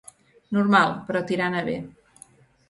Normal, però tirant a bé.